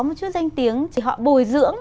một chút danh tiếng thì họ bồi dưỡng